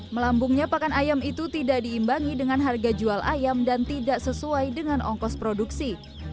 melambungnya pakan ayam itu tidak diimbangi dengan harga jual ayam dan tidak sesuai dengan ongkos produksi